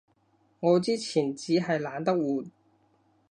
我之前衹係懶得換